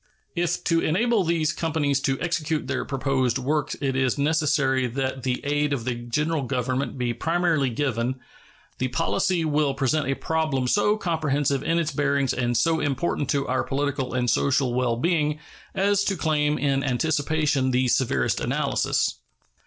If to enable these companies to execute their proposed works it is necessary that the aid of the General Government be primarily given, the policy will present a problem so comprehensive in its bearings and so important to our political and social well being as to claim in anticipation the severest analysis.